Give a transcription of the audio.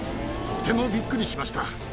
とてもびっくりしました。